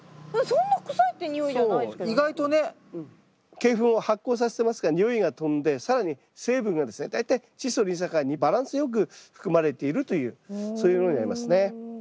鶏ふんを発酵させてますから臭いがとんで更に成分がですね大体チッ素リン酸カリにバランスよく含まれているというそういうものになりますね。